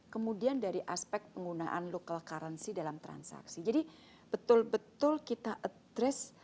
kemudian dari aspek penggunaan local currency dalam transaksi jadi betul betul kita address